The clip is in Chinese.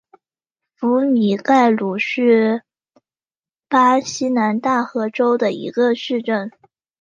福米盖鲁是巴西南大河州的一个市镇。